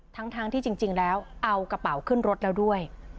ทั้งที่จริงแล้วเอากระเป๋าขึ้นรถแล้วด้วย